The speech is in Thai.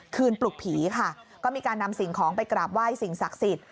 ปลุกผีค่ะก็มีการนำสิ่งของไปกราบไหว้สิ่งศักดิ์สิทธิ